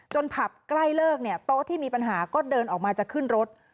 ผับใกล้เลิกเนี่ยโต๊ะที่มีปัญหาก็เดินออกมาจะขึ้นรถ